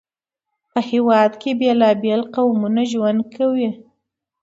په یو هېواد کې بېلابېل قومونه ژوند کوي.